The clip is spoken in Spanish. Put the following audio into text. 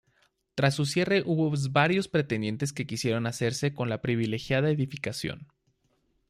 Tras su cierre hubo varios pretendientes que quisieron hacerse con la privilegiada edificación.